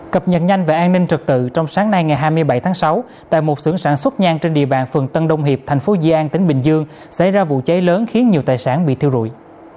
cập nhật nhanh về an ninh trật tự trong sáng nay ngày hai mươi bảy tháng sáu tại một sưởng sản xuất nhang trên địa bàn phường tân đông hiệp thành phố di an tỉnh bình dương xảy ra vụ cháy lớn khiến nhiều tài sản bị thiêu rụi